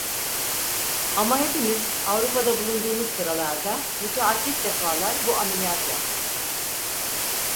Ama hepimiz Avrupa'da bulunduğumuz sıralarda müteaddit defalar bu ameliyat yaptık.